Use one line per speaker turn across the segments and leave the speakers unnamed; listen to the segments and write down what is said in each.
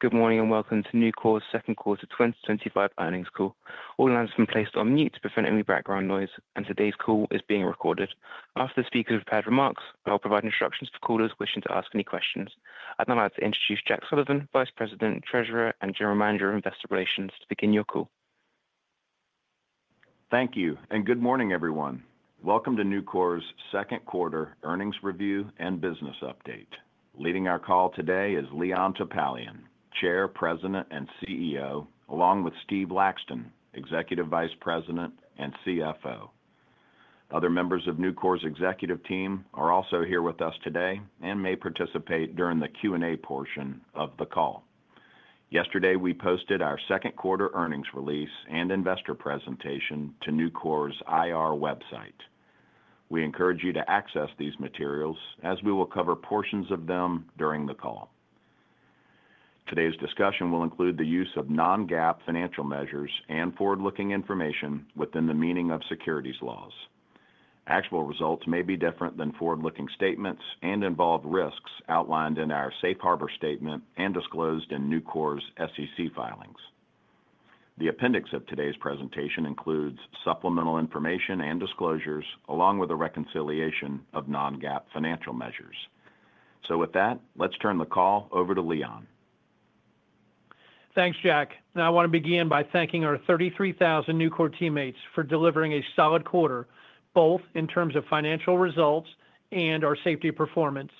Good morning and welcome to Nucor's second quarter 2025 earnings call. All announcements are placed on mute to prevent any background noise, and today's call is being recorded. After the speakers have prepared remarks, I'll provide instructions for callers wishing to ask any questions. I'd now like to introduce Jack Sullivan, Vice President, Treasurer, and General Manager of Investor Relations, to begin your call.
Thank you, and good morning, everyone. Welcome to Nucor's second quarter earnings review and business update. Leading our call today is Leon Topalian, Chair, President, and CEO, along with Steve Laxton, Executive Vice President and CFO. Other members of Nucor's executive team are also here with us today and may participate during the Q&A portion of the call. Yesterday, we posted our second quarter earnings release and investor presentation to Nucor's IR website. We encourage you to access these materials, as we will cover portions of them during the call. Today's discussion will include the use of non-GAAP financial measures and forward-looking information within the meaning of securities laws. Actual results may be different than forward-looking statements and involve risks outlined in our Safe Harbor statement and disclosed in Nucor's SEC filings. The appendix of today's presentation includes supplemental information and disclosures, along with a reconciliation of non-GAAP financial measures. With that, let's turn the call over to Leon.
Thanks, Jack. Now, I want to begin by thanking our 33,000 Nucor teammates for delivering a solid quarter, both in terms of financial results and our safety performance.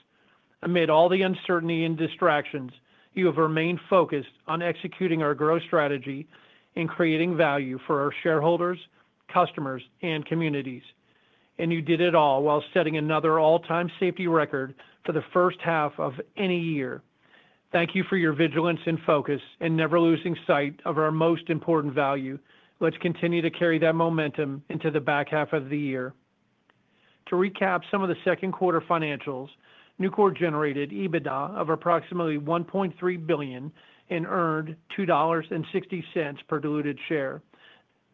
Amid all the uncertainty and distractions, you have remained focused on executing our growth strategy and creating value for our shareholders, customers, and communities, and you did it all while setting another all-time safety record for the first half of any year. Thank you for your vigilance and focus and never losing sight of our most important value. Let's continue to carry that momentum into the back half of the year. To recap some of the second quarter financials, Nucor generated EBITDA of approximately $1.3 billion and earned $2.60 per diluted share.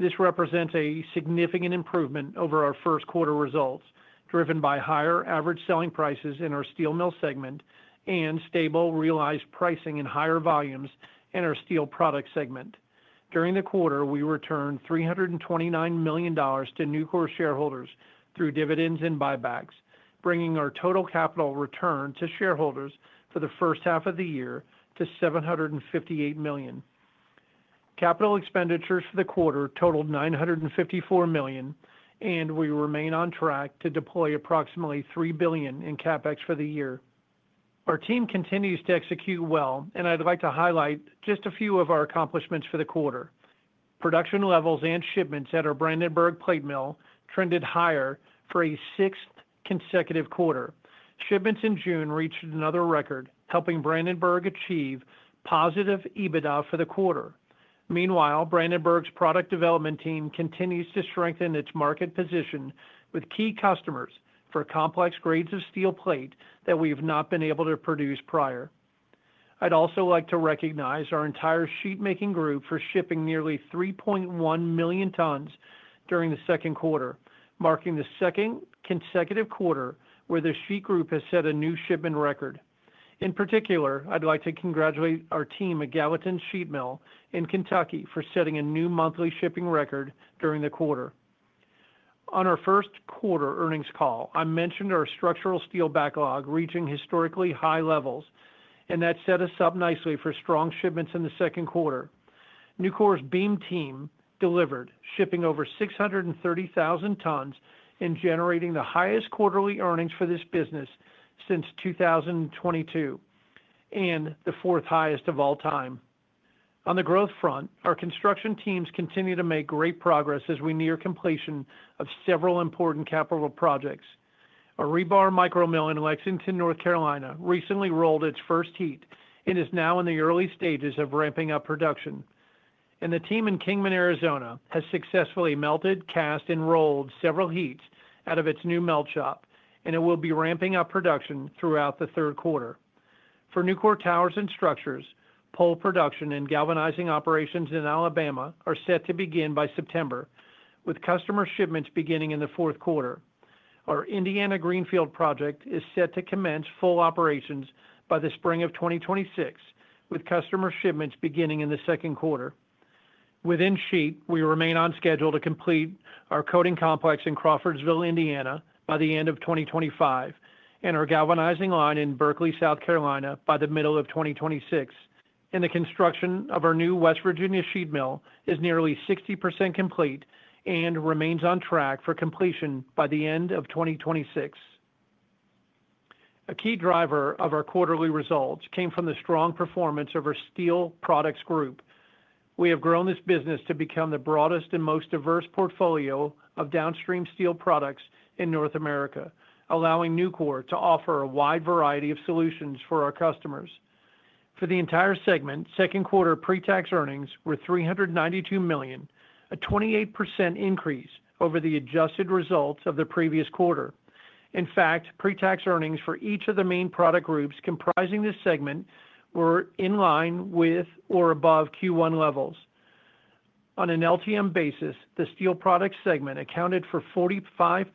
This represents a significant improvement over our first quarter results, driven by higher average selling prices in our steel mill segment and stable realized pricing in higher volumes in our steel product segment. During the quarter, we returned $329 million to Nucor shareholders through dividends and buybacks, bringing our total capital return to shareholders for the first half of the year to $758 million. Capital expenditures for the quarter totaled $954 million, and we remain on track to deploy approximately $3 billion in CapEx for the year. Our team continues to execute well, and I'd like to highlight just a few of our accomplishments for the quarter. Production levels and shipments at our Brandenburg Plate Mill trended higher for a sixth consecutive quarter. Shipments in June reached another record, helping Brandenburg achieve positive EBITDA for the quarter. Meanwhile, Brandenburg's product development team continues to strengthen its market position with key customers for complex grades of steel plate that we have not been able to produce prior. I'd also like to recognize our entire sheet-making group for shipping nearly 3.1 million tons during the second quarter, marking the second consecutive quarter where the sheet group has set a new shipment record. In particular, I'd like to congratulate our team at Gallatin Sheet Mill in Kentucky for setting a new monthly shipping record during the quarter. On our first quarter earnings call, I mentioned our structural steel backlog reaching historically high levels, and that set us up nicely for strong shipments in the second quarter. Nucor's BEAM team delivered, shipping over 630,000 tons and generating the highest quarterly earnings for this business. Since 2022. The fourth highest of all time. On the growth front, our construction teams continue to make great progress as we near completion of several important capital projects. Our Rebar Micro Mill in Lexington, North Carolina, recently rolled its first heat and is now in the early stages of ramping up production. The team in Kingman, Arizona, has successfully melted, cast, and rolled several heats out of its new melt shop, and it will be ramping up production throughout the third quarter. For Nucor Towers and Structures, pole production and galvanizing operations in Alabama are set to begin by September, with customer shipments beginning in the fourth quarter. Our Indiana Greenfield project is set to commence full operations by the spring of 2026, with customer shipments beginning in the second quarter. Within sheet, we remain on schedule to complete our coating complex in Crawfordsville, Indiana, by the end of 2025, and our galvanizing line in Berkeley, South Carolina, by the middle of 2026. The construction of our new West Virginia Sheet Mill is nearly 60% complete and remains on track for completion by the end of 2026. A key driver of our quarterly results came from the strong performance of our steel products group. We have grown this business to become the broadest and most diverse portfolio of downstream steel products in North America, allowing Nucor to offer a wide variety of solutions for our customers. For the entire segment, second quarter pre-tax earnings were $392 million, a 28% increase over the adjusted results of the previous quarter. In fact, pre-tax earnings for each of the main product groups comprising this segment were in line with or above Q1 levels. On an LTM basis, the steel products segment accounted for 45%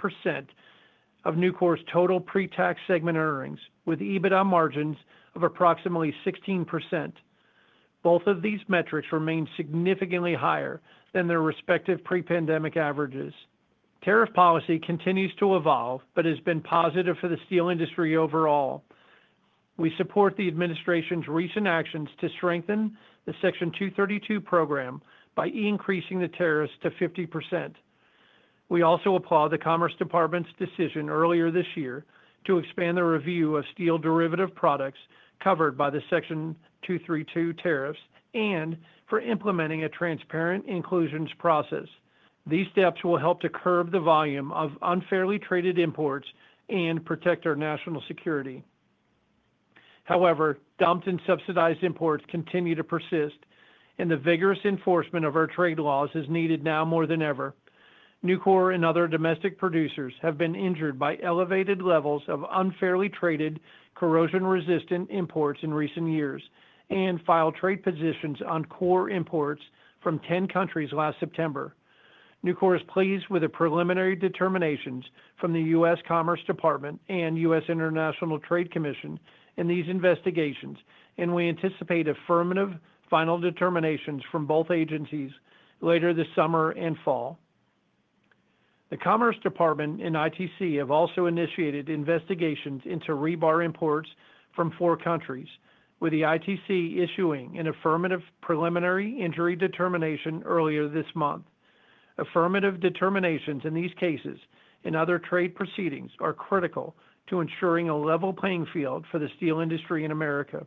of Nucor's total pre-tax segment earnings, with EBITDA margins of approximately 16%. Both of these metrics remain significantly higher than their respective pre-pandemic averages. Tariff policy continues to evolve, but has been positive for the steel industry overall. We support the administration's recent actions to strengthen the Section 232 program by increasing the tariffs to 50%. We also applaud the Commerce Department's decision earlier this year to expand the review of steel derivative products covered by the Section 232 tariffs and for implementing a transparent inclusions process. These steps will help to curb the volume of unfairly traded imports and protect our national security. However, dumped and subsidized imports continue to persist, and the vigorous enforcement of our trade laws is needed now more than ever. Nucor and other domestic producers have been injured by elevated levels of unfairly traded, corrosion-resistant imports in recent years and filed trade positions on core imports from 10 countries last September. Nucor is pleased with the preliminary determinations from the U.S. Commerce Department and U.S. International Trade Commission in these investigations, and we anticipate affirmative final determinations from both agencies later this summer and fall. The Commerce Department and ITC have also initiated investigations into rebar imports from four countries, with the ITC issuing an affirmative preliminary injury determination earlier this month. Affirmative determinations in these cases and other trade proceedings are critical to ensuring a level playing field for the steel industry in America.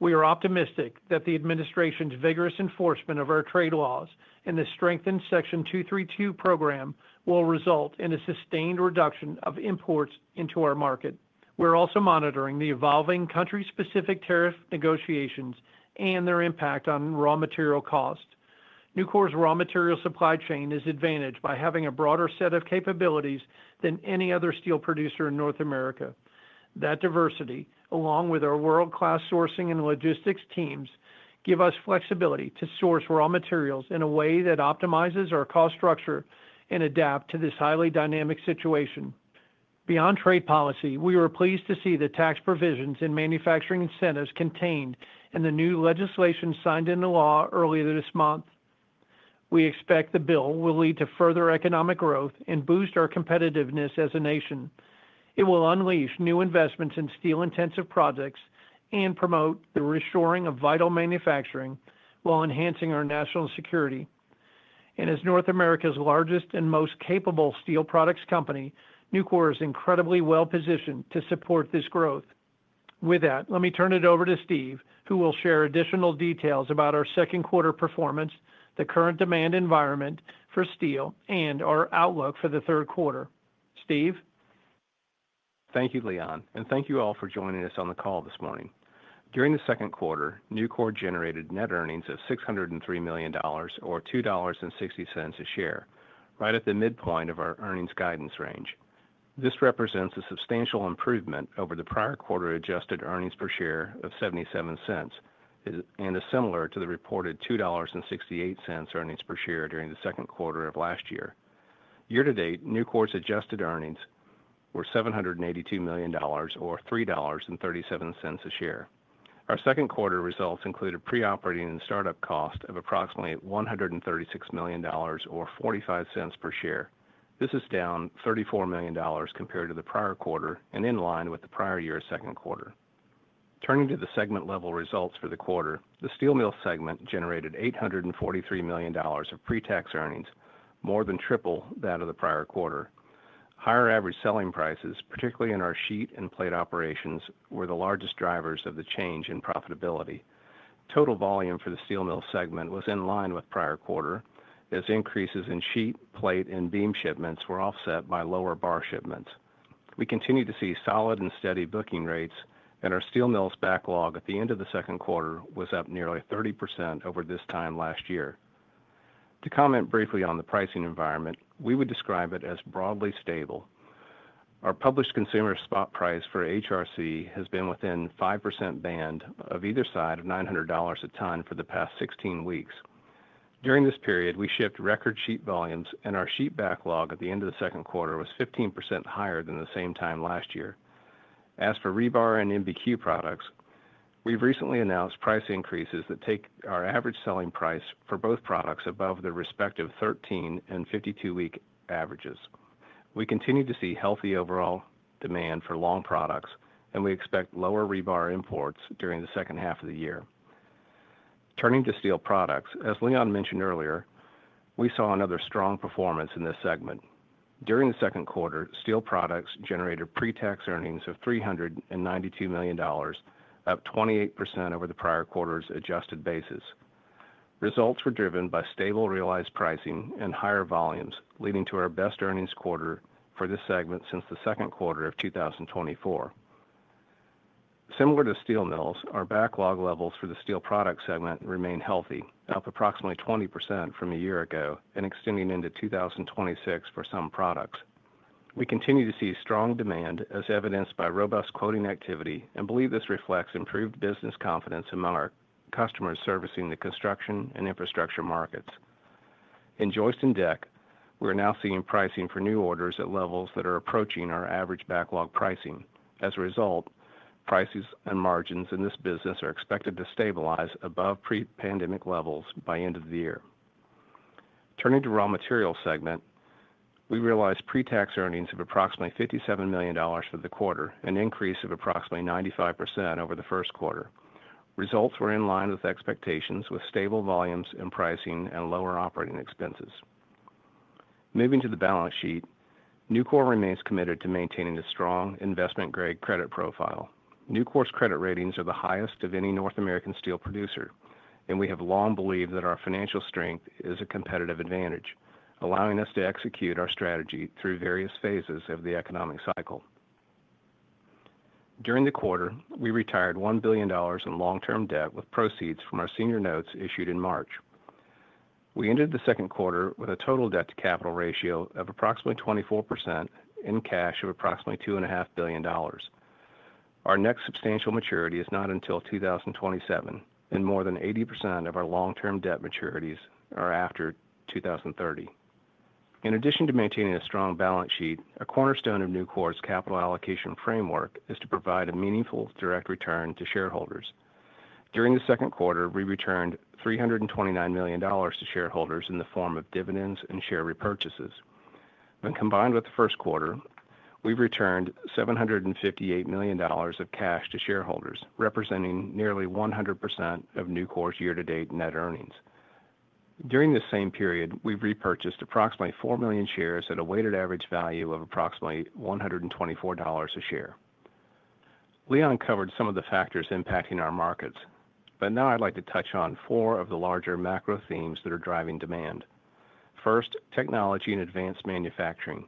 We are optimistic that the administration's vigorous enforcement of our trade laws and the strengthened Section 232 program will result in a sustained reduction of imports into our market. We're also monitoring the evolving country-specific tariff negotiations and their impact on raw material cost. Nucor's raw material supply chain is advantaged by having a broader set of capabilities than any other steel producer in North America. That diversity, along with our world-class sourcing and logistics teams, gives us flexibility to source raw materials in a way that optimizes our cost structure and adapts to this highly dynamic situation. Beyond trade policy, we were pleased to see the tax provisions and manufacturing incentives contained in the new legislation signed into law earlier this month. We expect the bill will lead to further economic growth and boost our competitiveness as a nation. It will unleash new investments in steel-intensive projects and promote the restoring of vital manufacturing while enhancing our national security. As North America's largest and most capable steel products company, Nucor is incredibly well-positioned to support this growth. With that, let me turn it over to Steve, who will share additional details about our second quarter performance, the current demand environment for steel, and our outlook for the third quarter. Steve.
Thank you, Leon, and thank you all for joining us on the call this morning. During the second quarter, Nucor generated net earnings of $603 million, or $2.60 a share, right at the midpoint of our earnings guidance range. This represents a substantial improvement over the prior quarter adjusted earnings per share of $0.77. It is similar to the reported $2.68 earnings per share during the second quarter of last year. Year-to-date, Nucor's adjusted earnings were $782 million, or $3.37 a share. Our second quarter results included pre-operating and startup cost of approximately $136 million, or $0.45 per share. This is down $34 million compared to the prior quarter and in line with the prior year's second quarter. Turning to the segment-level results for the quarter, the steel mill segment generated $843 million of pre-tax earnings, more than triple that of the prior quarter. Higher average selling prices, particularly in our sheet and plate operations, were the largest drivers of the change in profitability. Total volume for the steel mill segment was in line with prior quarter, as increases in sheet, plate, and beam shipments were offset by lower bar shipments. We continue to see solid and steady booking rates, and our steel mills backlog at the end of the second quarter was up nearly 30% over this time last year. To comment briefly on the pricing environment, we would describe it as broadly stable. Our published consumer spot price for HRC has been within 5% band of either side of $900 a ton for the past 16 weeks. During this period, we shipped record sheet volumes, and our sheet backlog at the end of the second quarter was 15% higher than the same time last year. As for rebar and MBQ products, we've recently announced price increases that take our average selling price for both products above their respective 13 and 52-week averages. We continue to see healthy overall demand for long products, and we expect lower rebar imports during the second half of the year. Turning to steel products, as Leon mentioned earlier, we saw another strong performance in this segment. During the second quarter, steel products generated pre-tax earnings of $392 million, up 28% over the prior quarter's adjusted basis. Results were driven by stable realized pricing and higher volumes, leading to our best earnings quarter for this segment since the second quarter of 2024. Similar to steel mills, our backlog levels for the steel product segment remain healthy, up approximately 20% from a year ago and extending into 2026 for some products. We continue to see strong demand, as evidenced by robust quoting activity, and believe this reflects improved business confidence among our customers servicing the construction and infrastructure markets. In joist and deck, we're now seeing pricing for new orders at levels that are approaching our average backlog pricing. As a result, prices and margins in this business are expected to stabilize above pre-pandemic levels by the end of the year. Turning to raw material segment, we realized pre-tax earnings of approximately $57 million for the quarter, an increase of approximately 95% over the first quarter. Results were in line with expectations, with stable volumes and pricing and lower operating expenses. Moving to the balance sheet, Nucor remains committed to maintaining a strong investment-grade credit profile. Nucor's credit ratings are the highest of any North American steel producer, and we have long believed that our financial strength is a competitive advantage, allowing us to execute our strategy through various phases of the economic cycle. During the quarter, we retired $1 billion in long-term debt with proceeds from our senior notes issued in March. We ended the second quarter with a total debt-to-capital ratio of approximately 24% and cash of approximately $2.5 billion. Our next substantial maturity is not until 2027, and more than 80% of our long-term debt maturities are after 2030. In addition to maintaining a strong balance sheet, a cornerstone of Nucor's capital allocation framework is to provide a meaningful direct return to shareholders. During the second quarter, we returned $329 million to shareholders in the form of dividends and share repurchases. When combined with the first quarter, we've returned $758 million of cash to shareholders, representing nearly 100% of Nucor's year-to-date net earnings. During this same period, we've repurchased approximately 4 million shares at a weighted average value of approximately $124 a share. Leon covered some of the factors impacting our markets, but now I'd like to touch on four of the larger macro themes that are driving demand. First, technology and advanced manufacturing.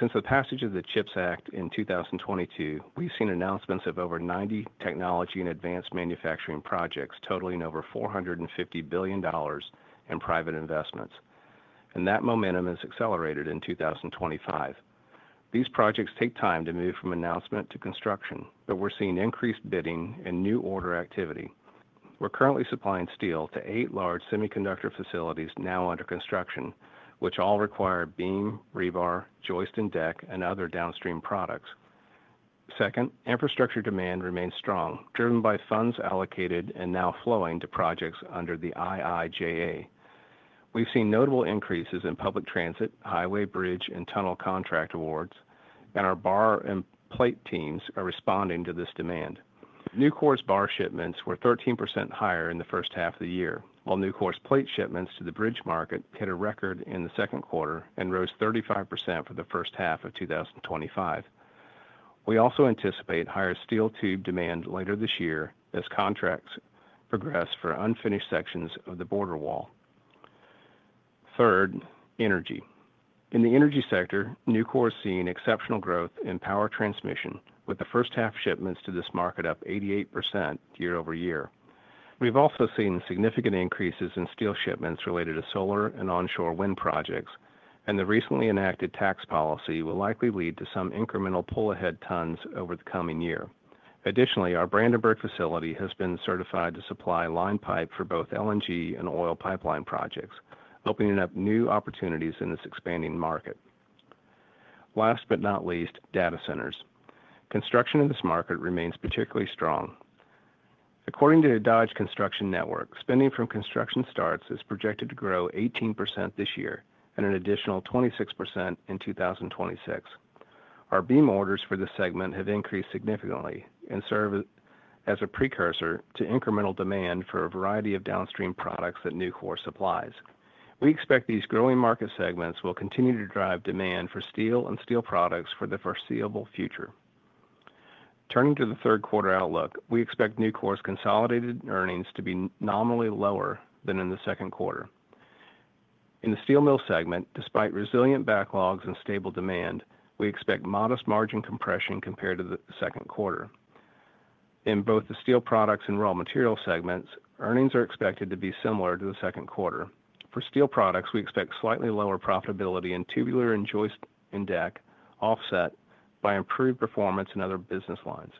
Since the passage of the CHIPS Act in 2022, we've seen announcements of over 90 technology and advanced manufacturing projects totaling over $450 billion in private investments. That momentum is accelerated in 2025. These projects take time to move from announcement to construction, but we're seeing increased bidding and new order activity. We're currently supplying steel to eight large semiconductor facilities now under construction, which all require beam, rebar, joist and deck, and other downstream products. Second, infrastructure demand remains strong, driven by funds allocated and now flowing to projects under the IIJA. We've seen notable increases in public transit, highway, bridge, and tunnel contract awards, and our bar and plate teams are responding to this demand. Nucor's bar shipments were 13% higher in the first half of the year, while Nucor's plate shipments to the bridge market hit a record in the second quarter and rose 35% for the first half of 2025. We also anticipate higher steel tube demand later this year as contracts progress for unfinished sections of the border wall. Third, energy. In the energy sector, Nucor has seen exceptional growth in power transmission, with the first-half shipments to this market up 88% year over year. We've also seen significant increases in steel shipments related to solar and onshore wind projects, and the recently enacted tax policy will likely lead to some incremental pull-ahead tons over the coming year. Additionally, our Brandenburg facility has been certified to supply line pipe for both LNG and oil pipeline projects, opening up new opportunities in this expanding market. Last but not least, data centers. Construction in this market remains particularly strong. According to the Dodge Construction Network, spending from construction starts is projected to grow 18% this year and an additional 26% in 2026. Our beam orders for this segment have increased significantly and serve as a precursor to incremental demand for a variety of downstream products that Nucor supplies. We expect these growing market segments will continue to drive demand for steel and steel products for the foreseeable future. Turning to the third quarter outlook, we expect Nucor's consolidated earnings to be nominally lower than in the second quarter. In the steel mill segment, despite resilient backlogs and stable demand, we expect modest margin compression compared to the second quarter. In both the steel products and raw material segments, earnings are expected to be similar to the second quarter. For steel products, we expect slightly lower profitability in tubular and joist and deck, offset by improved performance in other business lines.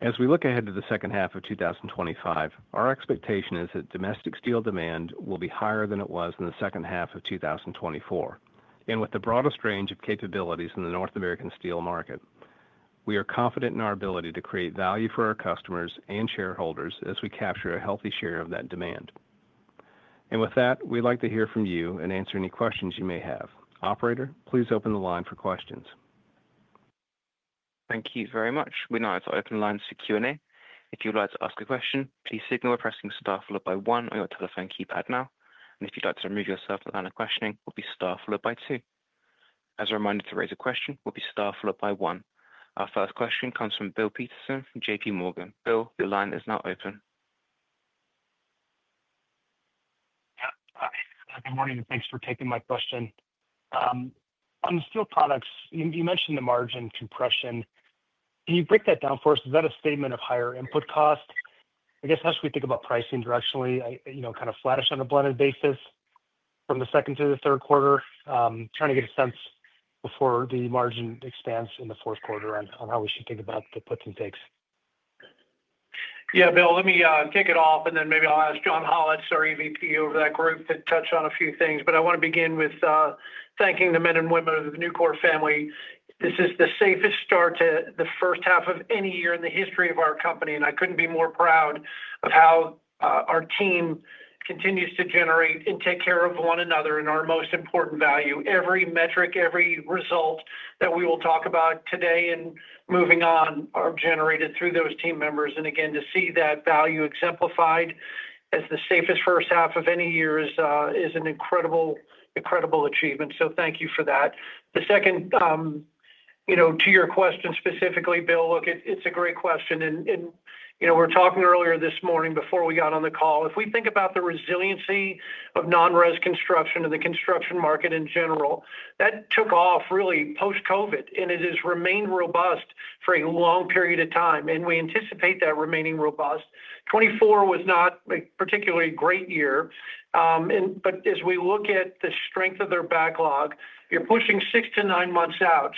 As we look ahead to the second half of 2025, our expectation is that domestic steel demand will be higher than it was in the second half of 2024, and with the broadest range of capabilities in the North American steel market. We are confident in our ability to create value for our customers and shareholders as we capture a healthy share of that demand. We would like to hear from you and answer any questions you may have. Operator, please open the line for questions.
Thank you very much. We now open the lines for Q&A. If you'd like to ask a question, please signal by pressing star followed by one on your telephone keypad now. If you'd like to remove yourself at the line of questioning, it will be star followed by two. As a reminder to raise a question, it will be star followed by one. Our first question comes from Bill Peterson from JP Morgan. Bill, the line is now open.
Y``eah. Good morning and thanks for taking my question. On the steel products, you mentioned the margin compression. Can you break that down for us? Is that a statement of higher input cost? I guess how should we think about pricing directionally, kind of flattish on a blended basis from the second to the third quarter? Trying to get a sense before the margin expands in the fourth quarter on how we should think about the puts and takes.
Yeah, Bill, let me kick it off, and then maybe I'll ask John Hollatz, our EVP over that group, to touch on a few things. I want to begin with thanking the men and women of the Nucor family. This is the safest start to the first half of any year in the history of our company, and I couldn't be more proud of how our team continues to generate and take care of one another and our most important value. Every metric, every result that we will talk about today and moving on are generated through those team members. Again, to see that value exemplified as the safest first half of any years is an incredible, incredible achievement. Thank you for that. The second. To your question specifically, Bill, look, it's a great question. We were talking earlier this morning before we got on the call. If we think about the resiliency of non-res construction and the construction market in general, that took off really post-COVID, and it has remained robust for a long period of time. We anticipate that remaining robust. 2024 was not a particularly great year. As we look at the strength of their backlog, you're pushing six to nine months out.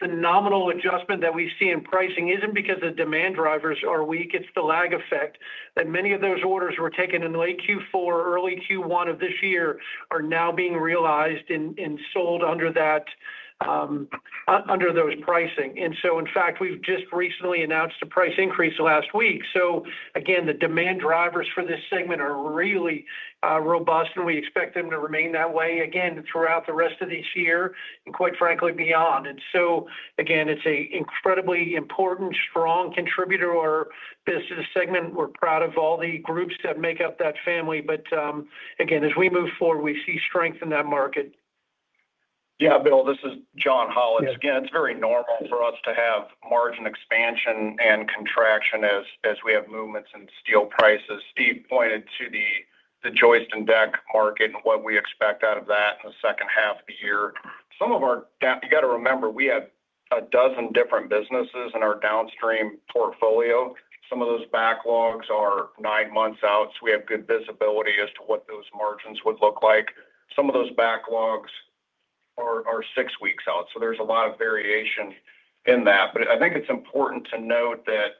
The nominal adjustment that we see in pricing isn't because the demand drivers are weak. It's the lag effect that many of those orders were taken in late Q4, early Q1 of this year, are now being realized and sold under those pricing. In fact, we've just recently announced a price increase last week. The demand drivers for this segment are really robust, and we expect them to remain that way again throughout the rest of this year and, quite frankly, beyond. It's an incredibly important, strong contributor to our business segment. We're proud of all the groups that make up that family. As we move forward, we see strength in that market.
Yeah, Bill, this is John Hollatz. Again, it's very normal for us to have margin expansion and contraction as we have movements in steel prices. Steve pointed to the joist and deck market and what we expect out of that in the second half of the year. Some of our—you got to remember, we have a dozen different businesses in our downstream portfolio. Some of those backlogs are nine months out, so we have good visibility as to what those margins would look like. Some of those backlogs are six weeks out. There is a lot of variation in that. I think it's important to note that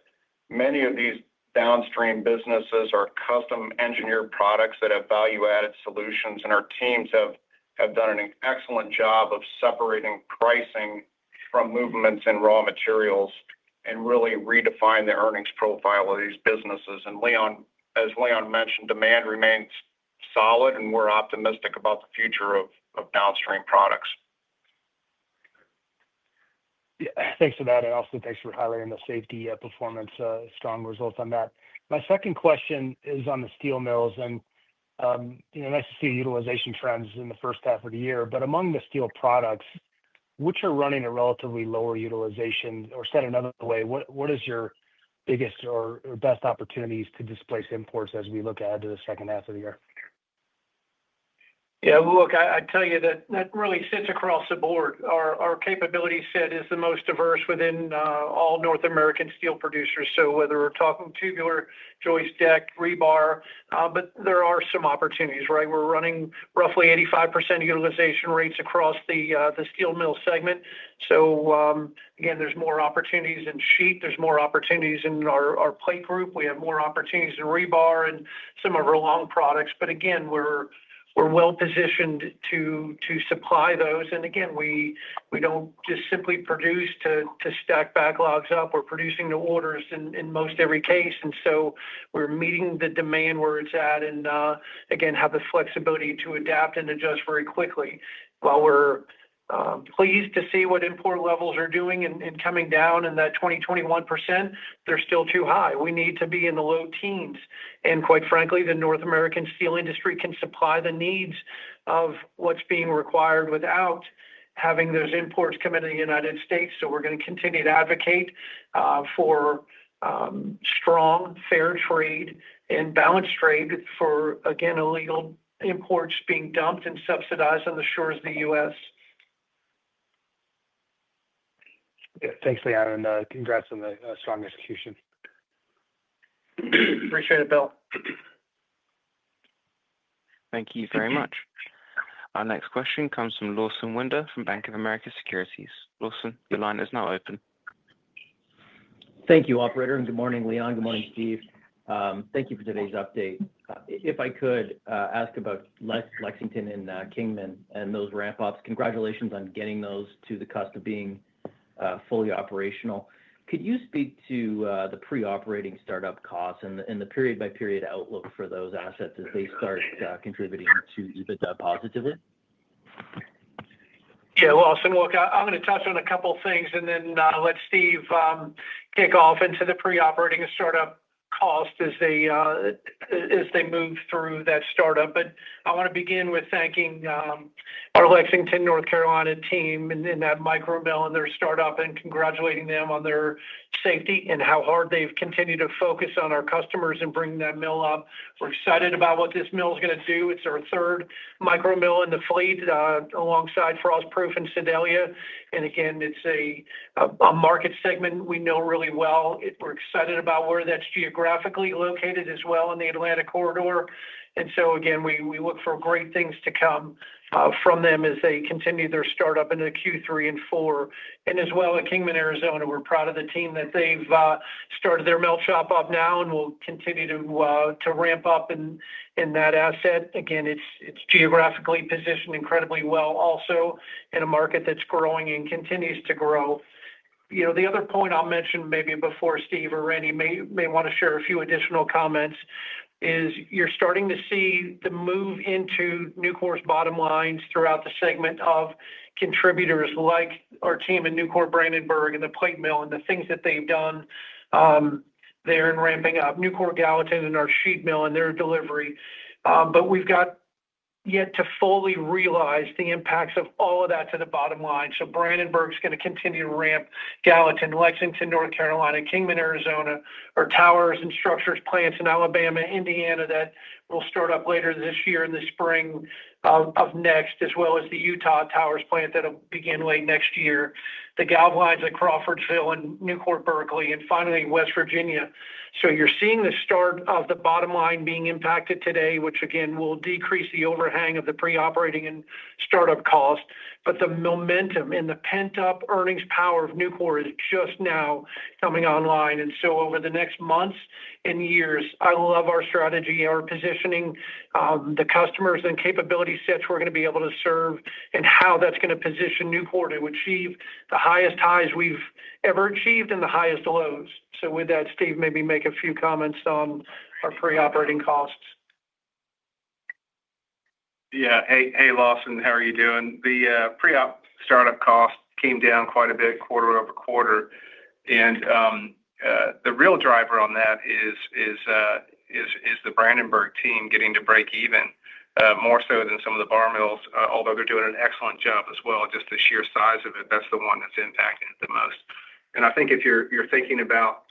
many of these downstream businesses are custom-engineered products that have value-added solutions. Our teams have done an excellent job of separating pricing from movements in raw materials and really redefining the earnings profile of these businesses. As Leon mentioned, demand remains solid, and we're optimistic about the future of downstream products.
Thanks for that. Also, thanks for highlighting the safety performance, strong results on that. My second question is on the steel mills. Nice to see utilization trends in the first half of the year. Among the steel products, which are running at a relatively lower utilization? Or said another way, what is your biggest or best opportunities to displace imports as we look ahead to the second half of the year?
Yeah, look, I tell you that that really sits across the board. Our capability set is the most diverse within all North American steel producers. So whether we're talking tubular, joist, deck, rebar. But there are some opportunities, right? We're running roughly 85% utilization rates across the steel mill segment. Again, there's more opportunities in sheet. There's more opportunities in our plate group. We have more opportunities in rebar and some of our long products. Again, we're well-positioned to supply those. Again, we don't just simply produce to stack backlogs up. We're producing the orders in most every case. We're meeting the demand where it's at and, again, have the flexibility to adapt and adjust very quickly. While we're pleased to see what import levels are doing and coming down in that 20%-21%, they're still too high. We need to be in the low teens. Quite frankly, the North American steel industry can supply the needs of what's being required without having those imports come into the United States. We're going to continue to advocate for strong, fair trade, and balanced trade for, again, illegal imports being dumped and subsidized on the shores of the U.S.
Yeah, thanks, Leon. Congrats on the strong execution.
Appreciate it, Bill.
Thank you very much. Our next question comes from Lawson Winder from Bank of America Securities. Lawson, your line is now open.
Thank you, Operator. Good morning, Leon. Good morning, Steve. Thank you for today's update. If I could ask about Lexington and Kingman and those ramp-ups, congratulations on getting those to the cusp of being fully operational. Could you speak to the pre-operating startup costs and the period-by-period outlook for those assets as they start contributing to EBITDA positively?
Yeah, Lawson, look, I'm going to touch on a couple of things and then let Steve kick off into the pre-operating startup cost as they move through that startup. I want to begin with thanking our Lexington, North Carolina team in that micro mill and their startup and congratulating them on their safety and how hard they've continued to focus on our customers and bring that mill up. We're excited about what this mill is going to do. It's our third micro mill in the fleet alongside Frostproof and Cindelia. It's a market segment we know really well. We're excited about where that's geographically located as well in the Atlantic Corridor. We look for great things to come from them as they continue their startup into Q3 and Q4. As well at Kingman, Arizona, we're proud of the team that they've started their melt shop up now and will continue to ramp up in that asset. It's geographically positioned incredibly well also in a market that's growing and continues to grow. The other point I'll mention maybe before Steve or Randy may want to share a few additional comments is you're starting to see the move into Nucor's bottom lines throughout the segment of contributors like our team in Nucor, Brandenburg, and the plate mill and the things that they've done there and ramping up Nucor, Gallatin, and our sheet mill and their delivery. We've got yet to fully realize the impacts of all of that to the bottom line. Brandenburg's going to continue to ramp Gallatin, Lexington, North Carolina, Kingman, Arizona, our towers and structures plants in Alabama, Indiana that will start up later this year in the spring of next, as well as the Utah Towers plant that'll begin late next year, the galvanizing lines at Crawfordsville and Nucor, Berkeley, and finally West Virginia. You're seeing the start of the bottom line being impacted today, which will decrease the overhang of the pre-operating and startup cost. The momentum and the pent-up earnings power of Nucor is just now coming online. Over the next months and years, I love our strategy, our positioning, the customers and capability sets we're going to be able to serve, and how that's going to position Nucor to achieve the highest highs we've ever achieved and the highest lows. With that, Steve, maybe make a few comments on our pre-operating costs.
Yeah. Hey, Lawson, how are you doing? The pre-op startup cost came down quite a bit quarter over quarter. The real driver on that is the Brandenburg team getting to break even more so than some of the bar mills, although they're doing an excellent job as well. Just the sheer size of it, that's the one that's impacting it the most. I think if you're thinking about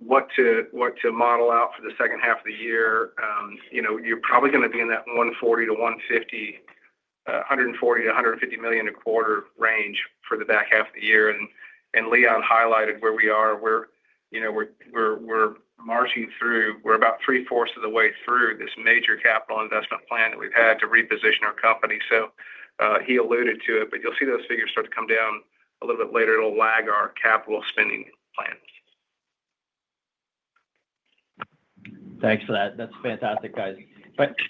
what to model out for the second half of the year, you're probably going to be in that $140 million-$150 million a quarter range for the back half of the year. Leon highlighted where we are. We're marching through. We're about three-fourths of the way through this major capital investment plan that we've had to reposition our company. He alluded to it, but you'll see those figures start to come down a little bit later. It'll lag our capital spending plans.
Thanks for that. That's fantastic, guys.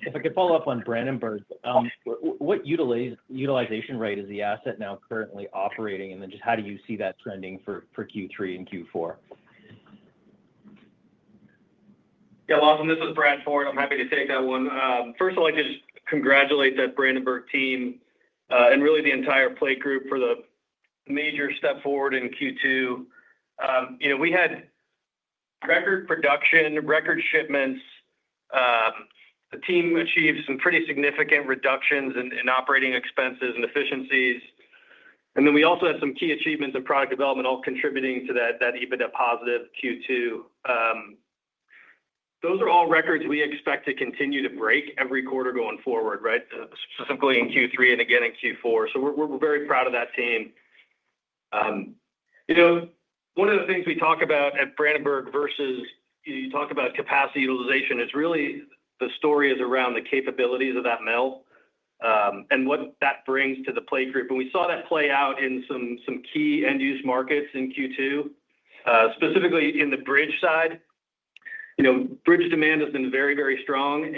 If I could follow up on Brandenburg, what utilization rate is the asset now currently operating? How do you see that trending for Q3 and Q4?
Yeah, Lawson, this is Brad Ford. I'm happy to take that one. First, I'd like to just congratulate that Brandenburg team and really the entire plate group for the major step forward in Q2. We had record production, record shipments. The team achieved some pretty significant reductions in operating expenses and efficiencies. And then we also had some key achievements in product development, all contributing to that EBITDA positive Q2. Those are all records we expect to continue to break every quarter going forward, right? Specifically in Q3 and again in Q4. We're very proud of that team. One of the things we talk about at Brandenburg versus you talk about capacity utilization is really the story is around the capabilities of that mill. What that brings to the plate group. We saw that play out in some key end-use markets in Q2, specifically in the bridge side. Bridge demand has been very, very strong.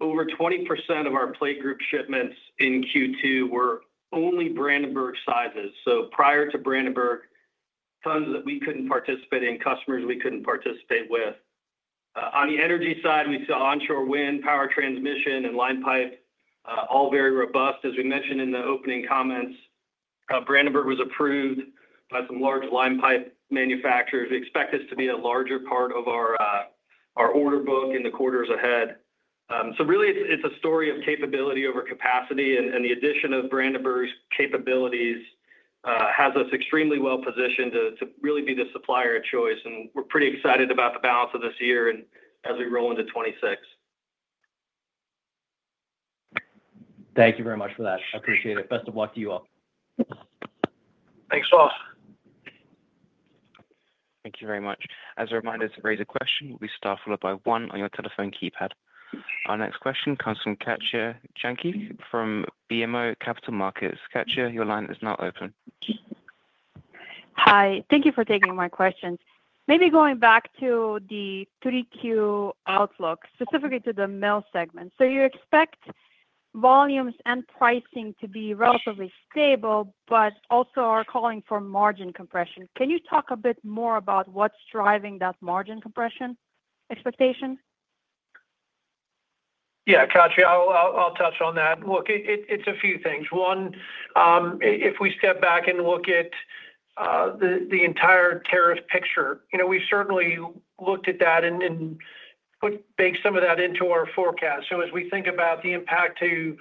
Over 20% of our plate group shipments in Q2 were only Brandenburg sizes. Prior to Brandenburg, tons that we couldn't participate in, customers we couldn't participate with. On the energy side, we saw onshore wind, power transmission, and line pipe, all very robust. As we mentioned in the opening comments, Brandenburg was approved by some large line pipe manufacturers. We expect this to be a larger part of our order book in the quarters ahead. Really, it's a story of capability over capacity. The addition of Brandenburg's capabilities has us extremely well positioned to really be the supplier of choice. We're pretty excited about the balance of this year and as we roll into 2026.
Thank you very much for that. I appreciate it. Best of luck to you all.
Thanks, Lawson.
Thank you very much. As a reminder, to raise a question, we'll be started by one on your telephone keypad. Our next question comes from Katja Jancic from BMO Capital Markets. Katja, your line is now open.
Hi. Thank you for taking my questions. Maybe going back to the 3Q outlook, specifically to the mill segment. You expect volumes and pricing to be relatively stable, but also are calling for margin compression. Can you talk a bit more about what's driving that margin compression expectation?
Yeah, Katja, I'll touch on that. Look, it's a few things. One, if we step back and look at the entire tariff picture, we've certainly looked at that and baked some of that into our forecast. As we think about the impact to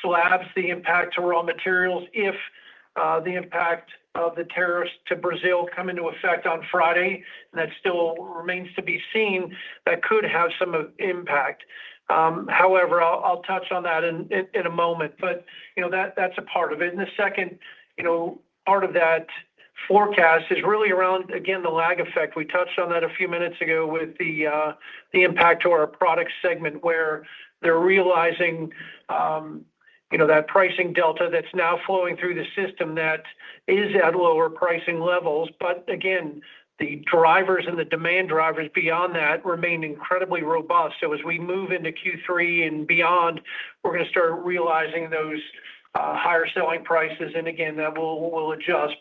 slabs, the impact to raw materials, if the impact of the tariffs to Brazil come into effect on Friday, and that still remains to be seen, that could have some impact. However, I'll touch on that in a moment. That's a part of it. The second part of that forecast is really around, again, the lag effect. We touched on that a few minutes ago with the impact to our product segment where they're realizing that pricing delta that's now flowing through the system that is at lower pricing levels. Again, the drivers and the demand drivers beyond that remain incredibly robust. As we move into Q3 and beyond, we're going to start realizing those higher selling prices. Again, that will adjust.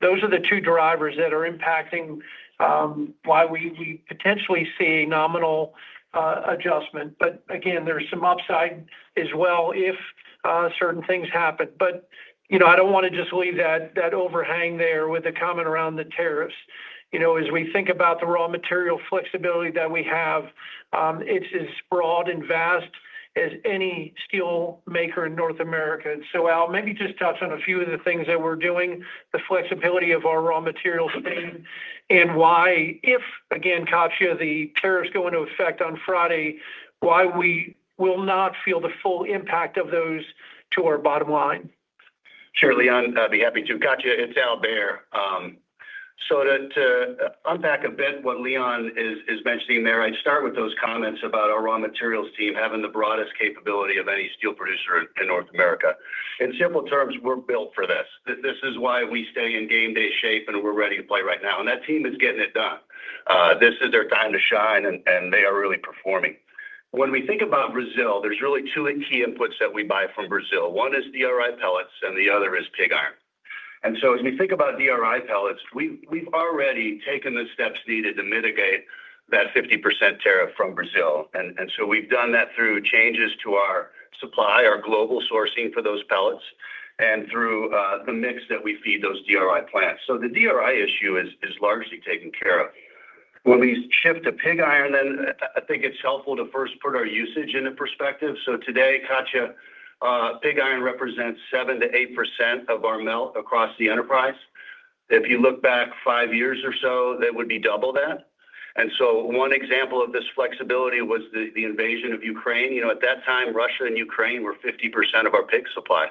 Those are the two drivers that are impacting why we potentially see a nominal adjustment. Again, there's some upside as well if certain things happen. I don't want to just leave that overhang there with a comment around the tariffs. As we think about the raw material flexibility that we have, it's as broad and vast as any steel maker in North America. I'll maybe just touch on a few of the things that we're doing, the flexibility of our raw material spend, and why, if, again, Katja, the tariffs go into effect on Friday, why we will not feel the full impact of those to our bottom line.
Sure, Leon. I'd be happy to. Katja, it's Al Behr. To unpack a bit what Leon is mentioning there, I'd start with those comments about our raw materials team having the broadest capability of any steel producer in North America. In simple terms, we're built for this. This is why we stay in game day shape and we're ready to play right now. That team is getting it done. This is their time to shine, and they are really performing. When we think about Brazil, there's really two key inputs that we buy from Brazil. One is DRI pellets, and the other is pig iron. As we think about DRI pellets, we've already taken the steps needed to mitigate that 50% tariff from Brazil. We've done that through changes to our supply, our global sourcing for those pellets, and through the mix that we feed those DRI plants. The DRI issue is largely taken care of. When we shift to pig iron, I think it's helpful to first put our usage into perspective. Today, Katja, pig iron represents 7%-8% of our melt across the enterprise. If you look back five years or so, that would be double that. One example of this flexibility was the invasion of Ukraine. At that time, Russia and Ukraine were 50% of our pig supply.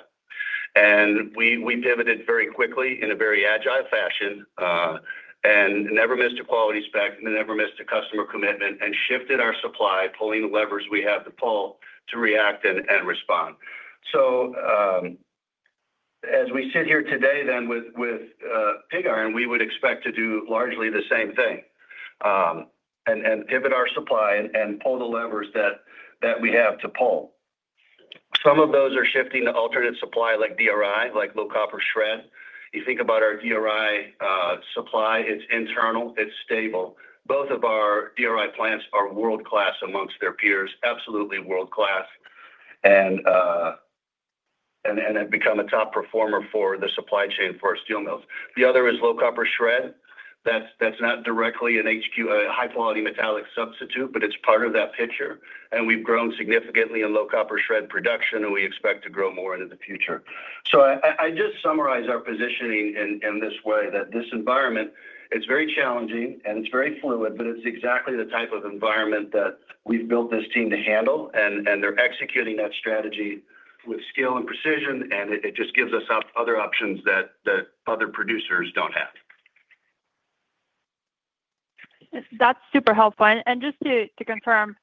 We pivoted very quickly in a very agile fashion and never missed a quality spec, never missed a customer commitment, and shifted our supply, pulling the levers we have to pull to react and respond. As we sit here today with pig iron, we would expect to do largely the same thing and pivot our supply and pull the levers that we have to pull. Some of those are shifting to alternate supply like DRI, like low copper shred. You think about our DRI supply, it's internal, it's stable. Both of our DRI plants are world-class amongst their peers, absolutely world-class, and have become a top performer for the supply chain for our steel mills. The other is low copper shred. That's not directly a high-quality metallic substitute, but it's part of that picture. We've grown significantly in low copper shred production, and we expect to grow more into the future. I just summarize our positioning in this way, that this environment, it's very challenging and it's very fluid, but it's exactly the type of environment that we've built this team to handle. They're executing that strategy with skill and precision, and it just gives us other options that other producers don't have.
That's super helpful. Just to confirm,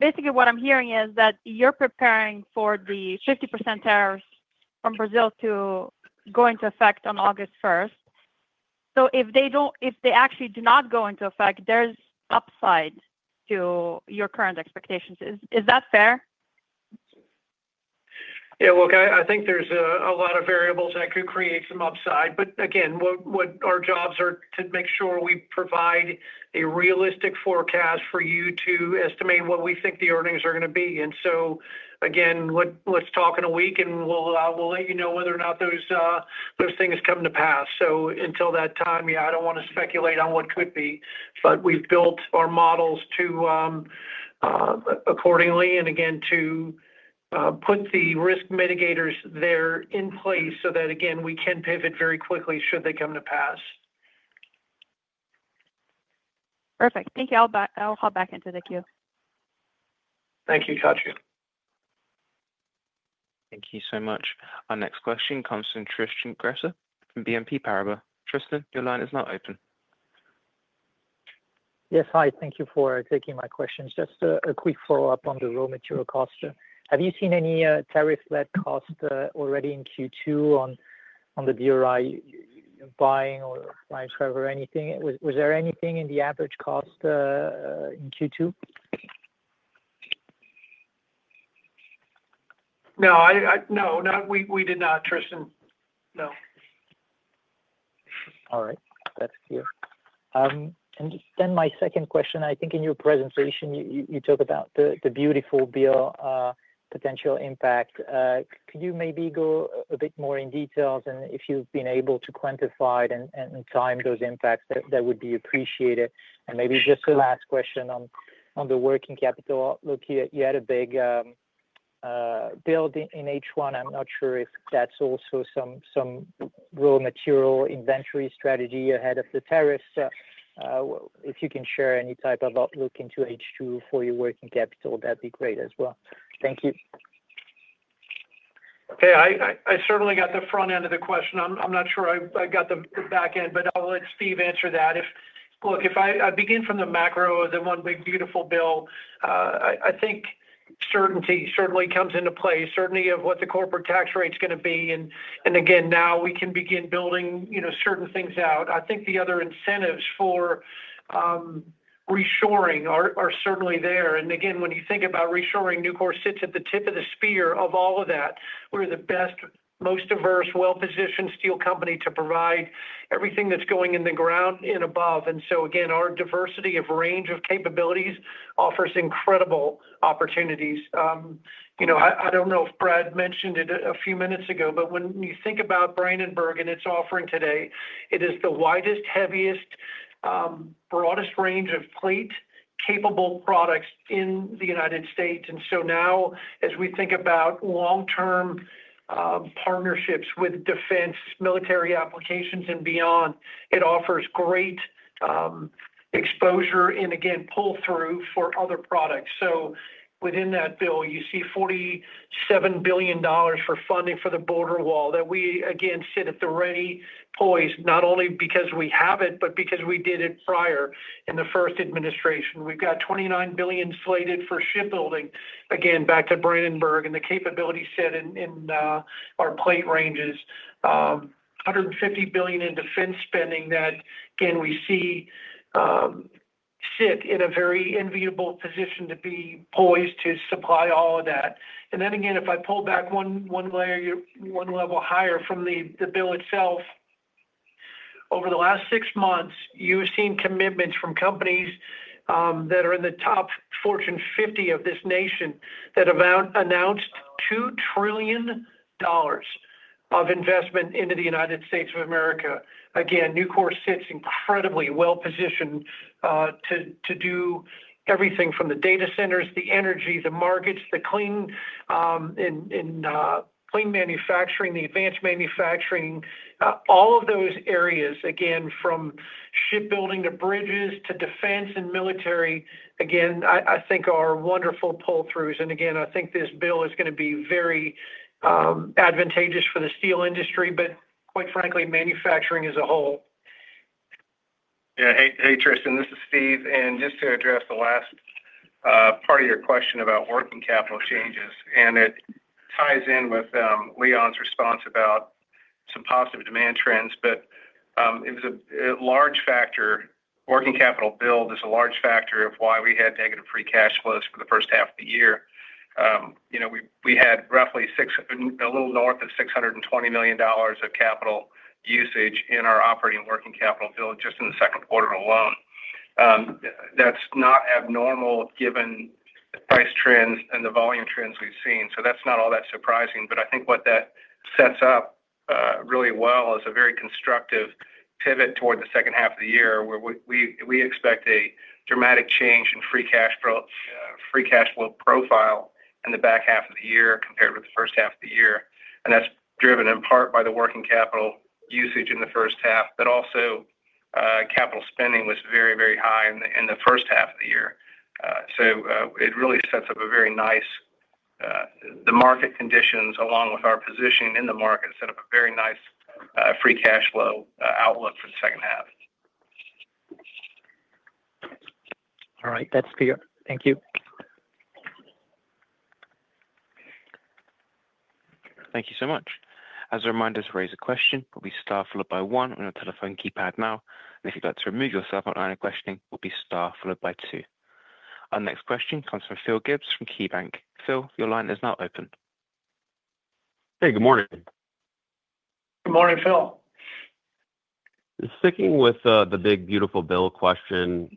basically what I'm hearing is that you're preparing for the 50% tariffs from Brazil to go into effect on August 1st. If they actually do not go into effect, there's upside to your current expectations. Is that fair?
Yeah. Look, I think there's a lot of variables that could create some upside. Again, what our jobs are to make sure we provide a realistic forecast for you to estimate what we think the earnings are going to be. Again, let's talk in a week, and we'll let you know whether or not those things come to pass. Until that time, yeah, I don't want to speculate on what could be. We've built our models accordingly and again to put the risk mitigators there in place so that, again, we can pivot very quickly should they come to pass.
Perfect. Thank you. I'll hop back into the queue.
Thank you, Katja.
Thank you so much. Our next question comes from Tristan Gresser from BNP Paribas. Tristan, your line is now open.
Yes, hi. Thank you for taking my questions. Just a quick follow-up on the raw material cost. Have you seen any tariff-led cost already in Q2 on the DRI, buying or buying shred or anything? Was there anything in the average cost in Q2?
No. No, we did not, Tristan. No.
All right. That's clear. My second question, I think in your presentation, you talked about the beautiful bill potential impact. Could you maybe go a bit more in detail, and if you've been able to quantify and time those impacts, that would be appreciated. Maybe just a last question on the working capital. Look, you had a big build in H1. I'm not sure if that's also some raw material inventory strategy ahead of the tariffs. If you can share any type of outlook into H2 for your working capital, that'd be great as well. Thank you.
Okay. I certainly got the front end of the question. I'm not sure I got the back end, but I'll let Steve answer that. Look, if I begin from the macro, the one big beautiful bill. I think certainty certainly comes into play, certainty of what the corporate tax rate's going to be. And again, now we can begin building certain things out. I think the other incentives for reshoring are certainly there. And again, when you think about reshoring, Nucor sits at the tip of the spear of all of that. We're the best, most diverse, well-positioned steel company to provide everything that's going in the ground and above. Our diversity of range of capabilities offers incredible opportunities. I don't know if Brad mentioned it a few minutes ago, but when you think about Brandenburg and its offering today, it is the widest, heaviest, broadest range of plate-capable products in the United States. Now, as we think about long-term partnerships with defense, military applications, and beyond, it offers great exposure and pull-through for other products. Within that bill, you see $47 billion for funding for the border wall that we, again, sit at the ready poised, not only because we have it, but because we did it prior in the first administration. We've got $29 billion slated for shipbuilding, again, back to Brandenburg and the capability set in our plate ranges. $150 billion in defense spending that, again, we see sit in a very enviable position to be poised to supply all of that. If I pull back one layer, one level higher from the bill itself, over the last six months, you've seen commitments from companies that are in the top Fortune 50 of this nation that announced $2 trillion of investment into the United States of America. Nucor sits incredibly well-positioned to do everything from the data centers, the energy, the markets, the clean manufacturing, the advanced manufacturing, all of those areas, from shipbuilding to bridges to defense and military, I think are wonderful pull-throughs. I think this bill is going to be very advantageous for the steel industry, but quite frankly, manufacturing as a whole.
Yeah. Hey, Tristan, this is Steve. And just to address the last part of your question about working capital changes, and it ties in with Leon's response about some positive demand trends, but it was a large factor. Working capital build is a large factor of why we had negative free cash flows for the first half of the year. We had roughly a little north of $620 million of capital usage in our operating working capital build just in the second quarter alone. That's not abnormal given the price trends and the volume trends we've seen. That's not all that surprising. I think what that sets up really well is a very constructive pivot toward the second half of the year where we expect a dramatic change in free cash flow profile in the back half of the year compared with the first half of the year. That's driven in part by the working capital usage in the first half, but also capital spending was very, very high in the first half of the year. It really sets up a very nice, the market conditions along with our positioning in the market set up a very nice free cash flow outlook for the second half.
All right. That's clear. Thank you.
Thank you so much. As a reminder, to raise a question, you will press star followed by one on your telephone keypad now. If you'd like to remove yourself from the question queue, you will press star followed by two. Our next question comes from Phil Gibbs from KeyBanc. Phil, your line is now open.
Hey, good morning.
Good morning, Phil.
Sticking with the big beautiful bill question,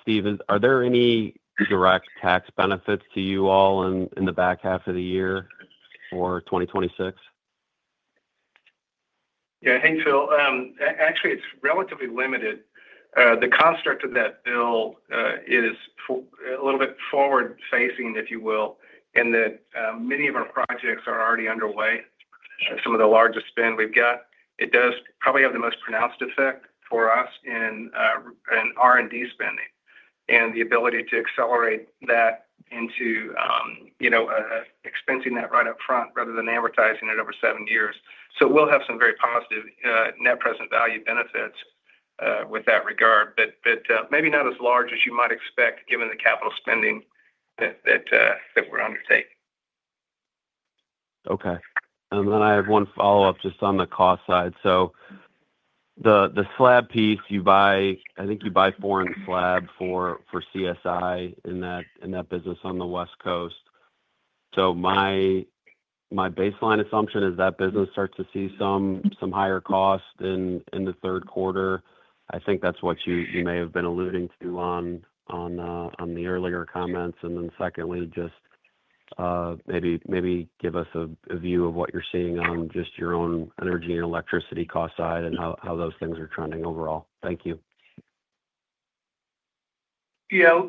Steven, are there any direct tax benefits to you all in the back half of the year for 2026?
Yeah. Hey, Phil. Actually, it's relatively limited. The construct of that bill is a little bit forward-facing, if you will, in that many of our projects are already underway. Some of the largest spend we've got, it does probably have the most pronounced effect for us in R&D spending and the ability to accelerate that into expensing that right up front rather than amortizing it over seven years. We'll have some very positive net present value benefits with that regard, but maybe not as large as you might expect given the capital spending that we're undertaking.
Okay. I have one follow-up just on the cost side. The slab piece, I think you buy foreign slab for CSI in that business on the West Coast. My baseline assumption is that business starts to see some higher cost in the third quarter. I think that's what you may have been alluding to on the earlier comments. Secondly, maybe give us a view of what you're seeing on just your own energy and electricity cost side and how those things are trending overall. Thank you.
Yeah.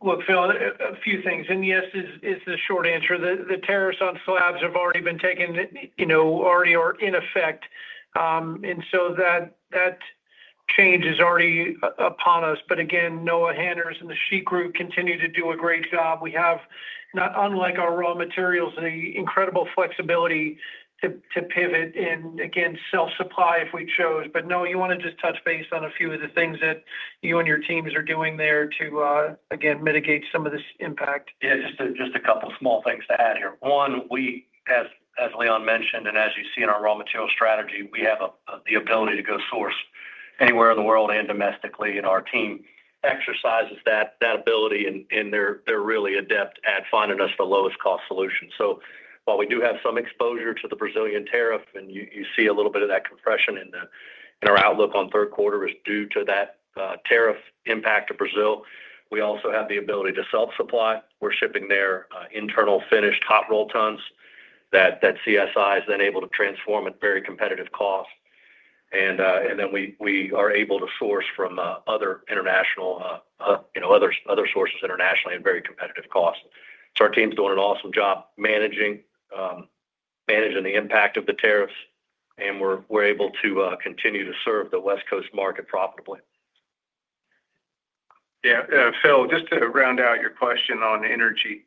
Look, Phil, a few things. Yes, is the short answer. The tariffs on slabs have already been taken. Already are in effect. That change is already upon us. Again, Noah Hanners and the Sheet Group continue to do a great job. We have, not unlike our raw materials, the incredible flexibility to pivot and, again, self-supply if we chose. No, you want to just touch base on a few of the things that you and your teams are doing there to, again, mitigate some of this impact.
Yeah. Just a couple of small things to add here. One, as Leon mentioned, and as you see in our raw material strategy, we have the ability to go source anywhere in the world and domestically. Our team exercises that ability, and they're really adept at finding us the lowest cost solution. While we do have some exposure to the Brazilian tariff, and you see a little bit of that compression in our outlook on third quarter is due to that tariff impact to Brazil, we also have the ability to self-supply. We're shipping their internal finished hot roll tons that CSI is then able to transform at very competitive cost. We are able to source from other international sources at very competitive cost. Our team's doing an awesome job managing the impact of the tariffs, and we're able to continue to serve the West Coast market profitably.
Yeah. Phil, just to round out your question on energy,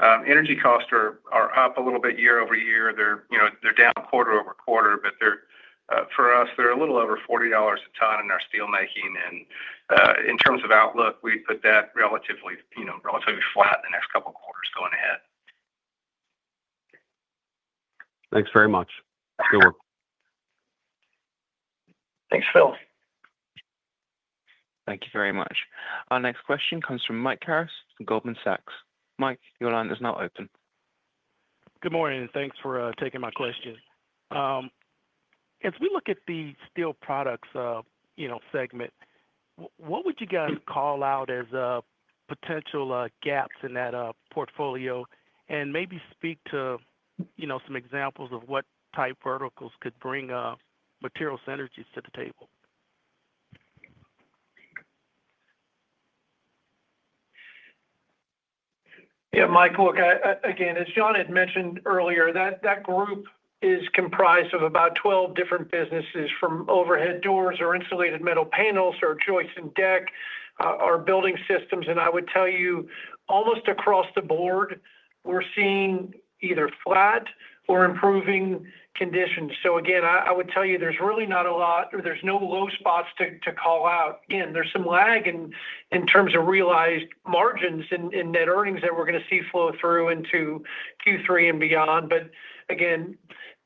energy costs are up a little bit year over year. They're down quarter over quarter, but for us, they're a little over $40 a ton in our steelmaking. In terms of outlook, we've put that relatively flat in the next couple of quarters going ahead.
Thanks very much. Good work.
Thanks, Phil.
Thank you very much. Our next question comes from Mike Harris from Goldman Sachs. Mike, your line is now open.
Good morning. Thanks for taking my question. As we look at the steel products segment, what would you guys call out as potential gaps in that portfolio and maybe speak to some examples of what type verticals could bring materials and energies to the table?
Yeah, Mike, look, again, as John had mentioned earlier, that group is comprised of about 12 different businesses from overhead doors or insulated metal panels or joists and deck or building systems. I would tell you, almost across the board, we're seeing either flat or improving conditions. I would tell you, there's really not a lot or there's no low spots to call out. There's some lag in terms of realized margins and net earnings that we're going to see flow through into Q3 and beyond.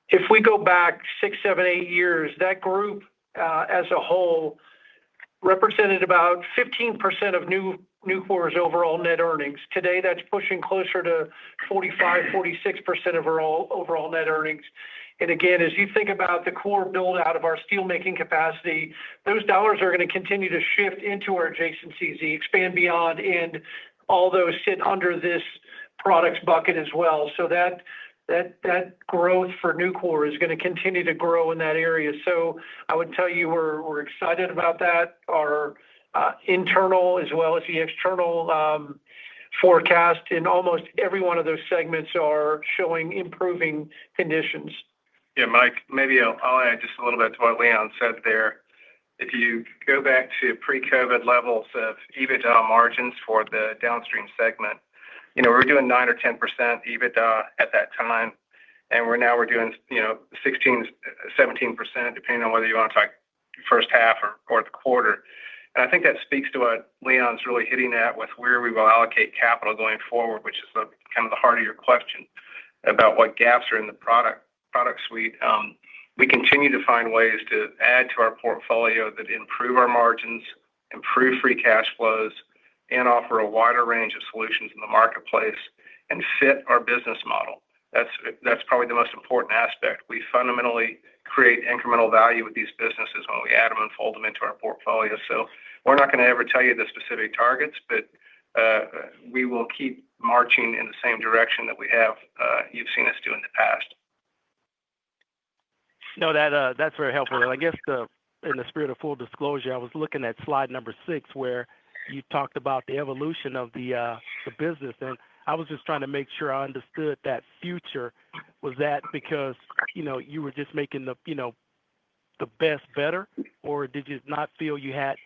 If we go back six, seven, eight years, that group as a whole represented about 15% of Nucor's overall net earnings. Today, that's pushing closer to 45%-46% of our overall net earnings. As you think about the core build-out of our steelmaking capacity, those dollars are going to continue to shift into our adjacencies, expand beyond, and although sit under this products bucket as well. That growth for Nucor is going to continue to grow in that area. I would tell you, we're excited about that. Our internal as well as the external forecast in almost every one of those segments are showing improving conditions.
Yeah, Mike, maybe I'll add just a little bit to what Leon said there. If you go back to pre-COVID levels of EBITDA margins for the downstream segment, we were doing 9% or 10% EBITDA at that time. Now we're doing 16%-17%, depending on whether you want to talk first half or the quarter. I think that speaks to what Leon's really hitting at with where we will allocate capital going forward, which is kind of the heart of your question about what gaps are in the product suite. We continue to find ways to add to our portfolio that improve our margins, improve free cash flows, and offer a wider range of solutions in the marketplace and fit our business model. That's probably the most important aspect. We fundamentally create incremental value with these businesses when we add them and fold them into our portfolio. We're not going to ever tell you the specific targets, but we will keep marching in the same direction that you have seen us do in the past.
No, that's very helpful. I guess in the spirit of full disclosure, I was looking at slide number six where you talked about the evolution of the business. I was just trying to make sure I understood that future. Was that because you were just making the best better, or did you not feel you had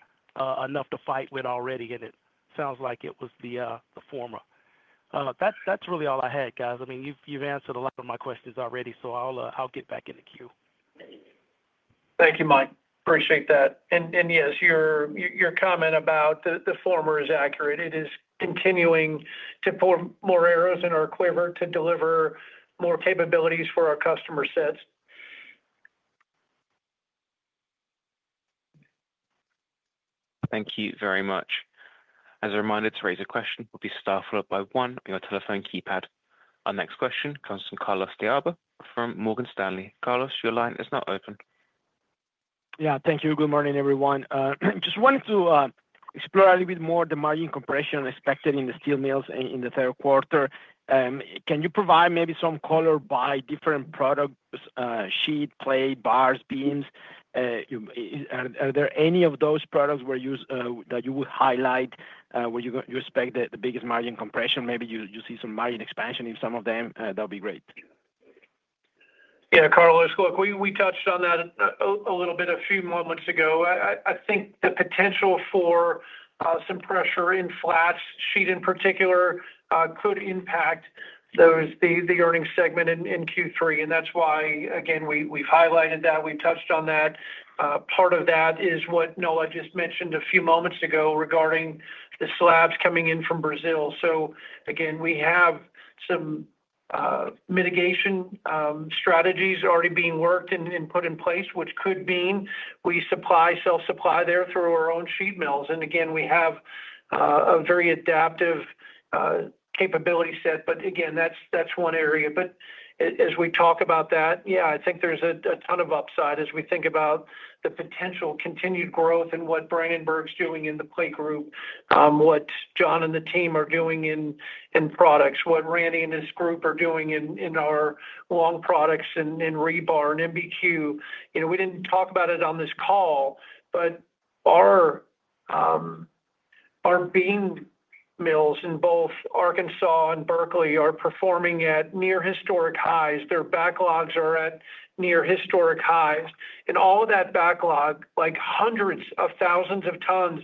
enough to fight with already in it? It sounds like it was the former. That's really all I had, guys. I mean, you've answered a lot of my questions already, so I'll get back in the queue.
Thank you, Mike. Appreciate that. Yes, your comment about the former is accurate. It is continuing to pour more arrows in our quiver to deliver more capabilities for our customer sets.
Thank you very much. As a reminder to raise a question, we'll be staffed followed by one on your telephone keypad. Our next question comes from Carlos De Alba from Morgan Stanley. Carlos, your line is now open.
Yeah. Thank you. Good morning, everyone. Just wanted to explore a little bit more the margin compression expected in the steel mills in the third quarter. Can you provide maybe some color by different products, sheet, plate, bars, beams? Are there any of those products that you would highlight where you expect the biggest margin compression? Maybe you see some margin expansion in some of them. That would be great.
Yeah, Carlos, look, we touched on that a little bit a few moments ago. I think the potential for some pressure in flats, sheet in particular, could impact the earnings segment in Q3. That's why, again, we've highlighted that. We've touched on that. Part of that is what Noah just mentioned a few moments ago regarding the slabs coming in from Brazil. Again, we have some mitigation strategies already being worked and put in place, which could mean we self-supply there through our own sheet mills. We have a very adaptive capability set. That's one area. As we talk about that, yeah, I think there's a ton of upside as we think about the potential continued growth and what Brandenburg's doing in the Plate Group, what John and the team are doing in products, what Randy and his group are doing in our long products in rebar and MBQ. We didn't talk about it on this call, but our beam mills in both Arkansas and Berkeley are performing at near historic highs. Their backlogs are at near historic highs. All of that backlog, like hundreds of thousands of tons,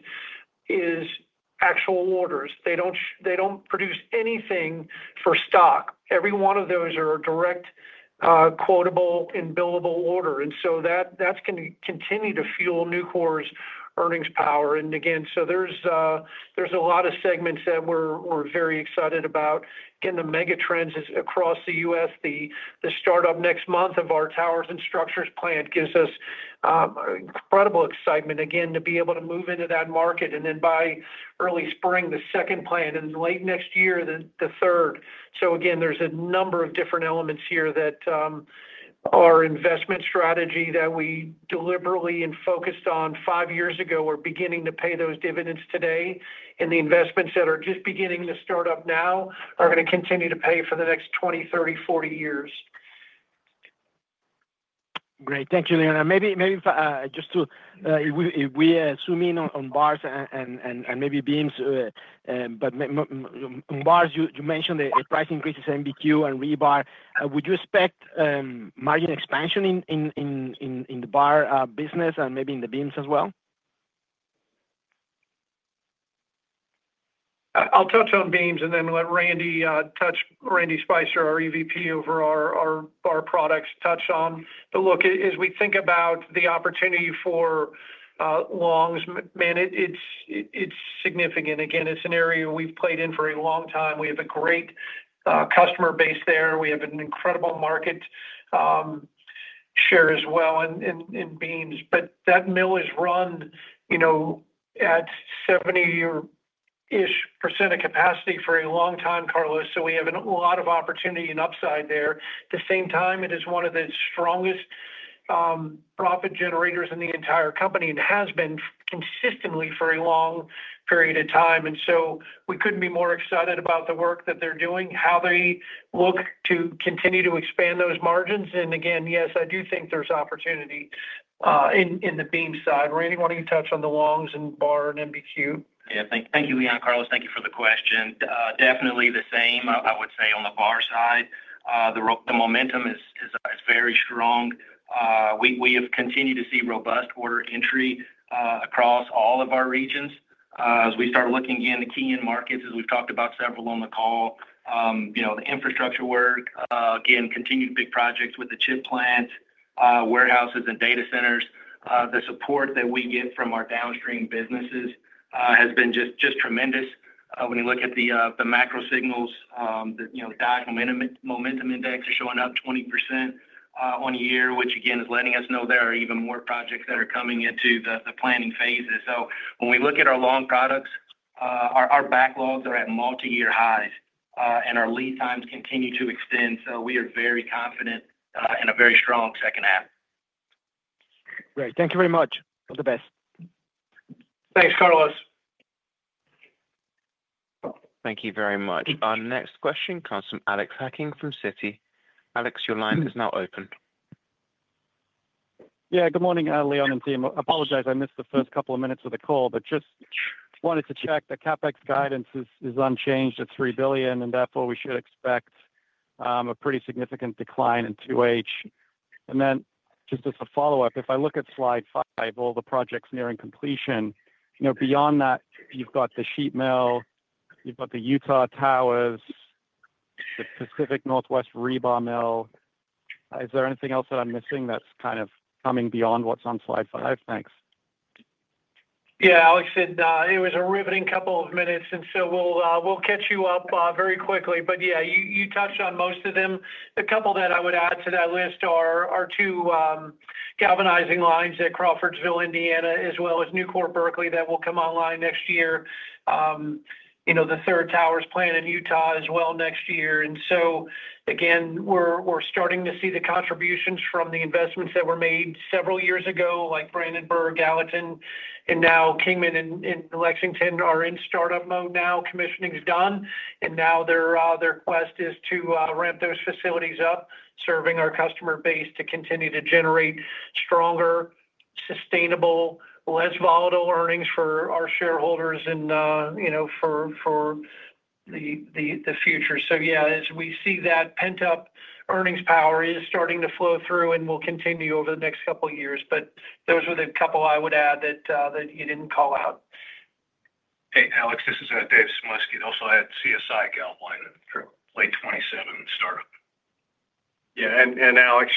is actual orders. They don't produce anything for stock. Every one of those are direct, quotable and billable orders. That's going to continue to fuel Nucor's earnings power. There are a lot of segments that we're very excited about. The mega trends across the U.S., the startup next month of our towers and structures plant gives us incredible excitement to be able to move into that market. By early spring, the second plant and late next year, the third. There are a number of different elements here that our investment strategy that we deliberately and focused on five years ago are beginning to pay those dividends today. The investments that are just beginning to start up now are going to continue to pay for the next 20, 30, 40 years.
Great. Thank you, Leon. Maybe just to, if we are zooming in on bars and maybe beams. On bars, you mentioned the price increases in MBQ and rebar. Would you expect margin expansion in the bar business and maybe in the beams as well?
I'll touch on beams and then let Randy Spicer, our EVP over our bar products, touch on. Look, as we think about the opportunity for longs, man, it's significant. Again, it's an area we've played in for a long time. We have a great customer base there. We have an incredible market share as well in beams. That mill is run at 70%-ish of capacity for a long time, Carlos. We have a lot of opportunity and upside there. At the same time, it is one of the strongest profit generators in the entire company and has been consistently for a long period of time. We couldn't be more excited about the work that they're doing, how they look to continue to expand those margins. Again, yes, I do think there's opportunity in the beam side. Randy, why don't you touch on the longs and bar and MBQ?
Yeah. Thank you, Leon, Carlos. Thank you for the question. Definitely the same, I would say, on the bar side. The momentum is very strong. We have continued to see robust order entry across all of our regions. As we start looking in the key end markets, as we've talked about several on the call. The infrastructure work, again, continued big projects with the chip plant. Warehouses and data centers. The support that we get from our downstream businesses has been just tremendous. When you look at the macro signals, the diagonal momentum index is showing up 20%. On a year, which again is letting us know there are even more projects that are coming into the planning phases. So when we look at our long products, our backlogs are at multi-year highs and our lead times continue to extend. We are very confident in a very strong second half.
Great. Thank you very much. All the best.
Thanks, Carlos.
Thank you very much. Our next question comes from Alex Hacking from Citi. Alex, your line is now open.
Yeah, good morning, Leon and team. Apologize, I missed the first couple of minutes of the call, but just wanted to check the CapEx guidance is unchanged at $3 billion, and therefore we should expect a pretty significant decline in 2H. And then just as a follow-up, if I look at slide 5, all the projects nearing completion, beyond that, you've got the sheet mill, you've got the Utah towers, the Pacific Northwest rebar mill. Is there anything else that I'm missing that's kind of coming beyond what's on slide 5? Thanks.
Yeah, Alex, it was a riveting couple of minutes, and we'll catch you up very quickly. Yeah, you touched on most of them. A couple that I would add to that list are two galvanizing lines at Crawfordsville, Indiana, as well as Nucor Berkeley that will come online next year. The third towers plant in Utah as well next year. Again, we're starting to see the contributions from the investments that were made several years ago, like Brandenburg, Gallatin, and now Kingman and Lexington are in startup mode now, commissioning's done. Now their quest is to ramp those facilities up, serving our customer base to continue to generate stronger, sustainable, less volatile earnings for our shareholders and for the future. Yeah, as we see that pent-up earnings power is starting to flow through and will continue over the next couple of years. Those were the couple I would add that you didn't call out.
Hey, Alex, this is Dave Sumoski. Also at CSI, Galvanizing, late 2027 startup.
Yeah. Alex,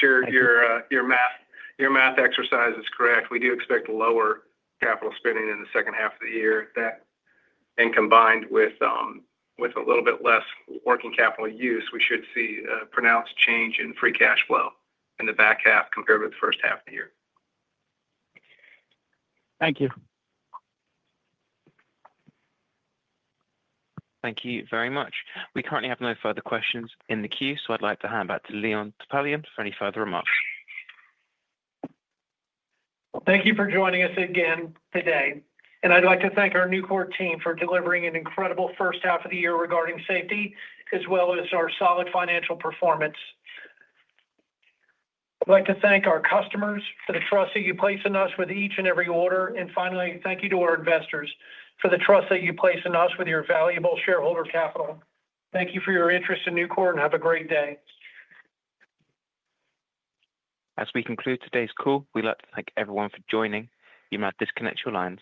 your math exercise is correct. We do expect lower capital spending in the second half of the year. Combined with a little bit less working capital use, we should see a pronounced change in free cash flow in the back half compared with the first half of the year.
Thank you.
Thank you very much. We currently have no further questions in the queue, so I'd like to hand back to Leon Topalian for any further remarks.
Thank you for joining us again today. I would like to thank our Nucor team for delivering an incredible first half of the year regarding safety, as well as our solid financial performance. I would like to thank our customers for the trust that you place in us with each and every order. Finally, thank you to our investors for the trust that you place in us with your valuable shareholder capital. Thank you for your interest in Nucor and have a great day.
As we conclude today's call, we'd like to thank everyone for joining. You may disconnect your lines.